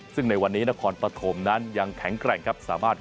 ซึ่งในวันนี้นครปฐมนั้นยังแข็งแกร่งครับสามารถ